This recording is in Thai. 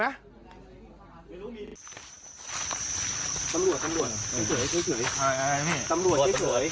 ทำหลวดตายเฉย